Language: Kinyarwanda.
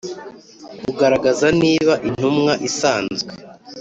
Kugaragaza niba intumwa isanzwe